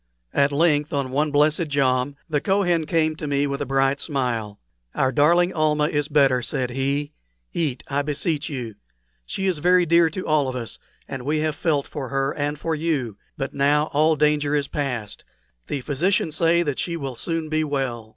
At length on one blessed jom, the Kohen came to me with a bright smile. "Our darling Almah is better," said he. "Eat, I beseech you. She is very dear to all of us, and we have all felt for her and for you. But now all danger is past. The physicians say that she will soon be well."